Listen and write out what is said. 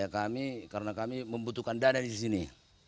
karena kami membutuhkan dana di sini